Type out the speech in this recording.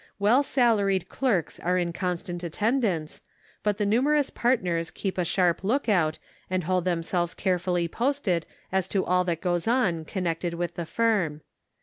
Well salaried clerks are in constant attendance, but the numerous partners keep a sharp lookout, and hold themselves carefully posted as to all that goes on connected with the firm.